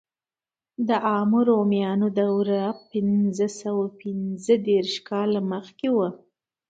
د عامو رومیانو دوره پنځه سوه پنځه دېرش کاله مخکې وه.